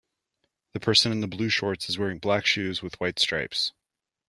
The person in the blue shorts is wearing black shoes with white stripes.